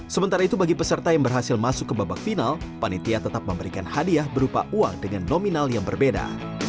sementara itu bagi peserta yang berhasil masuk ke babak final panitia tetap memberikan hadiah berupa uang dengan nominal yang berbeda